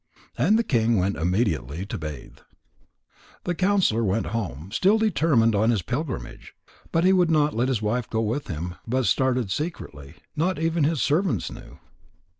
And the king went immediately to bathe. The counsellor went home, still determined on his pilgrimage. He would not let his wife go with him, but started secretly. Not even his servants knew.